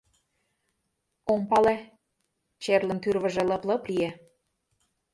— Ом пале, — черлын тӱрвыжӧ лып-лып лие.